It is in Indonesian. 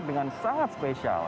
dengan sangat spesial